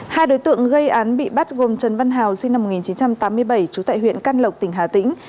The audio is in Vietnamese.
hai đối tượng gây án bị bắt gồm trần văn hào sinh năm một nghìn chín trăm tám mươi bảy trú tại huyện can lộc tỉnh hà tĩnh